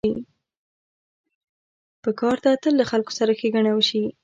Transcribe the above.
پکار ده تل له خلکو سره ښېګڼه وشي.